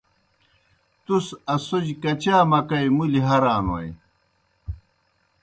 تُس اسوجیْ کچا مکئی مُلیْ ہرانوئے؟